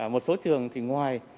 một số trường thì ngoài